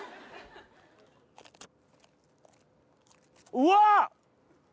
うわっ！